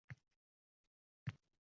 Bilganim shuki, sizni yaxshi ko`raman